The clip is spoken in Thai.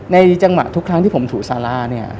ในจังหวะทุกครั้งที่ผมถูซาร่าเนี่ย